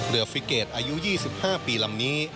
เรือฟริเกตอายุ๒๕ปีลำนี้